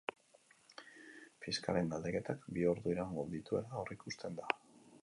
Fiskalen galdeketak bi ordu iraungo dituela aurreikusten da.